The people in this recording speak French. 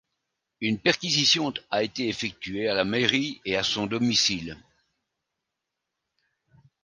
Une perquisition a été effectuée, à la mairie et à son domicile.